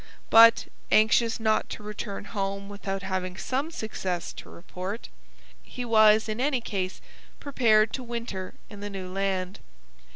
But, anxious not to return home without having some success to report, he was in any case prepared to winter in the New Land.